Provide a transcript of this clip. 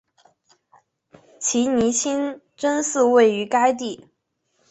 奇尼清真寺位于该地。